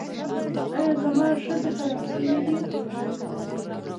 ایا زما سږي خراب شوي دي؟